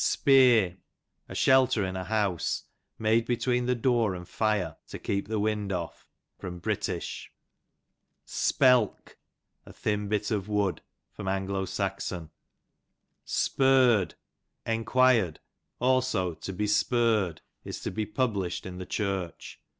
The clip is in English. Speer, a shelter in a house, made betiveen the door and fire, to keep the wind off. Br. Spelk, a J/im 6it o/ wood. A.S. Sperr'd, enquired; also to besperr'd, is to be published in the church.